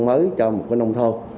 mới cho một cái nông thôn